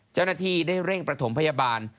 เจ้าหน้าที่ได้เร่งประถมพยาบาล